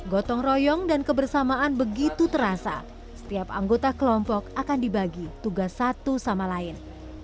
gotong royong dan kebersamaan begitu terasa setiap anggota kelompok akan dibagi tugas satu sama lain